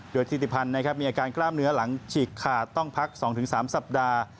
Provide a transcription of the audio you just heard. โดยธิติพันธ์มีอาการกล้ามเนื้อหลังฉีกขาดต้องพัก๒๓สัปดาห์